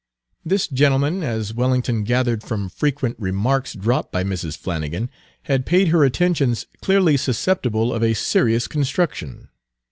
This gentleman, as Wellington gathered from frequent remarks dropped by Mrs. Flannigan, had paid her attentions clearly susceptible of a serious construction.